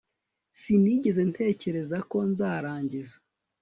Sinigeze ntekereza ko nzarangiza